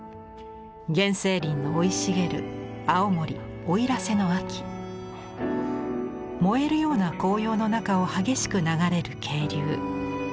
原生林の生い茂る青森燃えるような紅葉の中を激しく流れる渓流。